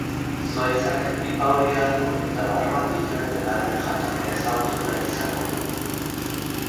Zuhaitzek pipa hori hartu eta barruan dituen belarren jatorria ezagutu nahi izango du.